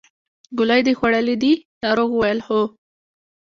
ګولۍ دې خوړلې دي ناروغ وویل هو.